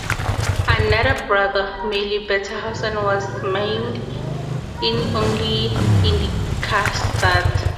Another brother, Merle Bettenhausen, was maimed in his only Indy Car start.